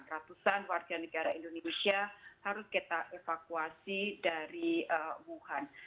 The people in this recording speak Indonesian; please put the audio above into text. ratusan warga negara indonesia harus kita evakuasi dari wuhan